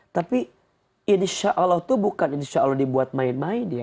tapi insya allah itu bukan insya allah dibuat main main ya